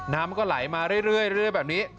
น้ำก็ไหลมาเรื่อยแบบนี้